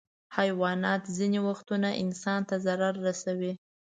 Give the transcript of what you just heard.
حیوانات ځینې وختونه انسان ته ضرر رسوي.